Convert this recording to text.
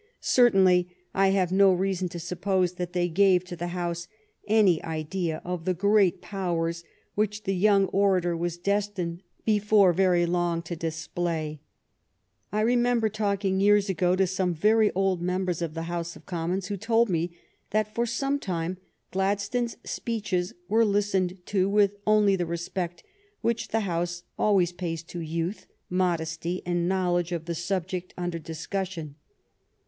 Certainly I have no reason to suppose that they gave to the House any idea of the great powers which the young orator was destined before very long to display. I remember talking years ago to some very old members of the House of Commons who told me that for some time Gladstone's speeches were listened to with only the respect which the House always pays to youth, mod esty, and knowledge of the subject under discussion.